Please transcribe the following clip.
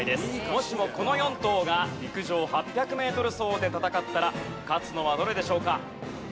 もしもこの４頭が陸上８００メートル走で戦ったら勝つのはどれでしょうか？